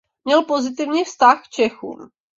Měl pozitivní vztah k Čechům.